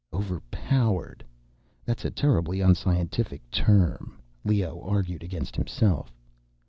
"Overpowered?" That's a terribly unscientific term, Leoh argued against himself.